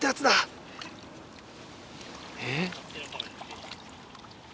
えっ？